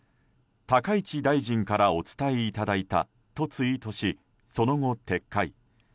高市大臣からお伝えいただいたとツイートしその後撤回。